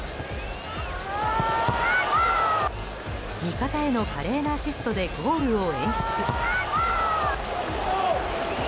味方への華麗なアシストでゴールを演出。